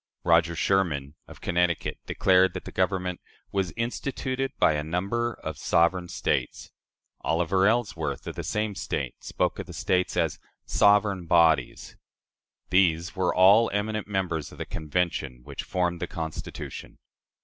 " Roger Sherman, of Connecticut, declared that the Government "was instituted by a number of sovereign States." Oliver Ellsworth, of the same State, spoke of the States as "sovereign bodies." These were all eminent members of the Convention which formed the Constitution.